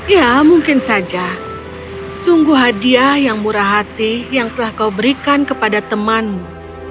ya mungkin saja sungguh hadiah yang murah hati yang telah kau berikan kepada temanmu